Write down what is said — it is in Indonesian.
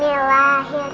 terima kasih yang baik